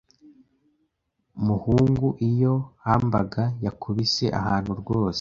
Muhungu, iyo hamburger yakubise ahantu rwose.